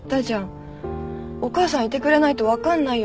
お母さんいてくれないと分かんないよ。